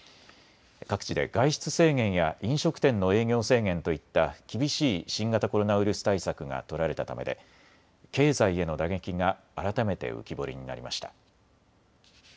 各地で外出制限や飲食店の営業制限といった厳しい新型コロナウイルス対策が取られたためで経済への打撃が改めて浮き彫りになりました。